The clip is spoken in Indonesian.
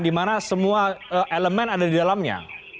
di mana semua elemen ada di dalamnya